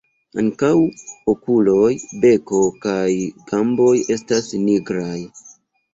Ankaŭ okuloj, beko kaj gamboj estas nigraj.